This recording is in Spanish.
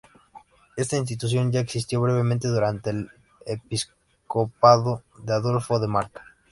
Esta institución ya existió brevemente durante el episcopado de Adolfo de Mark.